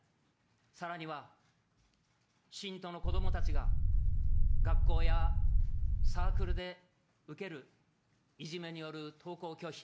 さらには信徒の子どもたちが、学校やサークルで受けるいじめによる登校拒否、